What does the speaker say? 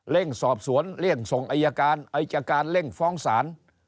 เร่งสอบสวนเร่งส่งไอยการไอจการเร่งฟ้องศาล